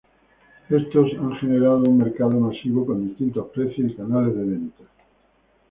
Estos han generado un mercado masivo con distintos precios y canales de ventas.